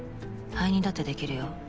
灰にだってできるよ。